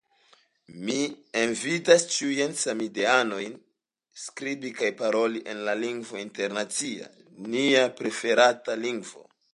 Mi invitas ĉiujn samideanojn skribi kaj paroli en la lingvo internacia, nia preferata lingvo.